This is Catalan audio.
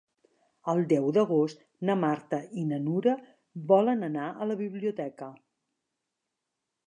El deu d'agost na Marta i na Nura volen anar a la biblioteca.